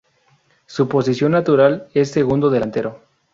Su posición natural es segundo delantero.